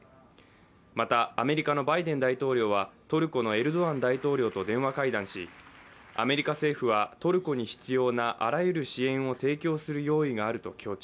また、アメリカのバイデン大統領はトルコのエルドアン大統領と電話会談しアメリカ政府はトルコに必要なあらゆる支援を提供する用意があると強調。